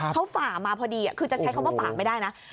เขาฝ่ามาพอดีคือจะใช้คำว่าฝ่าไม่ได้นะ